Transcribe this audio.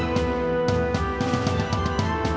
เมื่อ